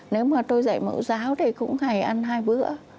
nếu mà tôi dạy mẫu giáo thì cũng hay ăn hai bữa